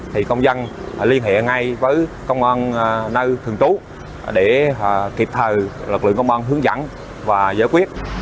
thì công dân liên hệ ngay với công an nơi thường trú để kịp thời lực lượng công an hướng dẫn và giải quyết